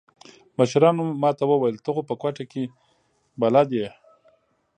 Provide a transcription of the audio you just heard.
مشرانو ما ته وويل ته خو په کوټه کښې بلد يې.